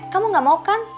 kamu gak mau kan